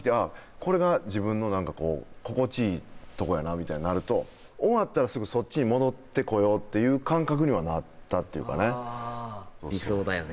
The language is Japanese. これが自分の何かこう心地いいとこやなみたいなると終わったらすぐそっちに戻ってこようっていう感覚にはなったっていうかねああ理想だよね